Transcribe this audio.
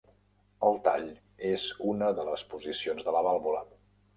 El tall és una de les posicions de la vàlvula.